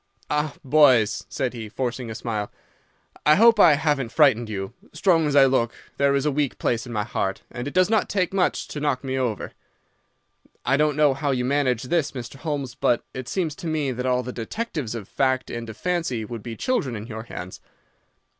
"'Ah, boys,' said he, forcing a smile, 'I hope I haven't frightened you. Strong as I look, there is a weak place in my heart, and it does not take much to knock me over. I don't know how you manage this, Mr. Holmes, but it seems to me that all the detectives of fact and of fancy would be children in your hands.